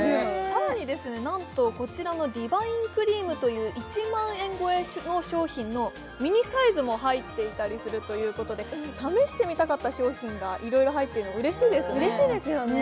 さらにですね何とこちらのディヴァインクリームという１万円超えの商品のミニサイズも入っていたりするということで試してみたかった商品が色々入ってるの嬉しいですね嬉しいですよね